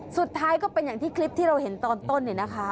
สุดท้ายก็เป็นอย่างที่คลิปที่เราเห็นตอนต้นเนี่ยนะคะ